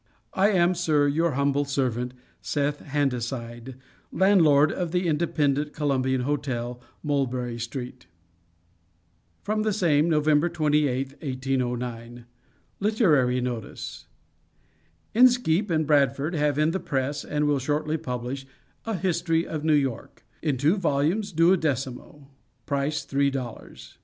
I am, Sir, your humble servant, SETH HANDASIDE, Landlord of the Independent Columbian Hotel, Mulberry Street. From the same, November 28, 1809. LITERARY NOTICE. INSKEEP and BRADFORD have in the press, and will shortly publish, A History of New York, In two volumes, duodecimo. Price three dollars.